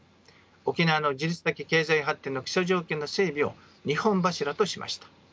沖縄の自立的経済発展の基礎条件の整備を二本柱としました。